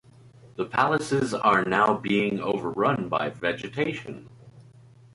The palaces are now being overrun by vegetation.